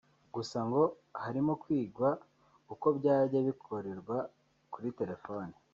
gusa ngo harimo kwigwa uko byajya binakorerwa kuri terefone